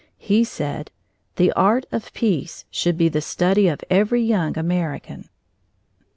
He said: "The art of Peace should be the study of every young American!"